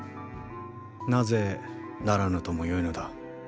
なぜならぬともよいのだ？